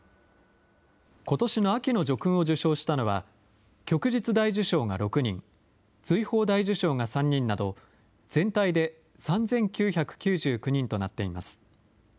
ことしの秋の叙勲を受章したのは、旭日大綬章が６人、瑞宝大綬章が３人など、全体で３９９９人となっています。